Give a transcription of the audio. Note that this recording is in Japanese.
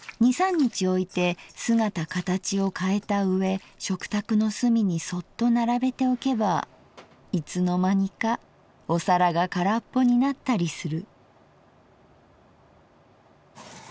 日おいて姿かたちをかえた上食卓の隅にそっと並べておけばいつの間にかお皿がからっぽになったりする」。